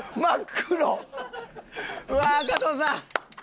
うわ加藤さん！